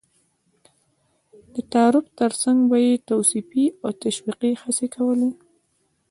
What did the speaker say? د تعارف تر څنګ به یې توصيفي او تشويقي هڅې کولې.